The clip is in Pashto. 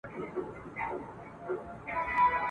زما له موج سره یاري ده له توپان سره همزولی !.